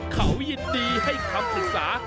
เขายินดีให้คำปรึกษา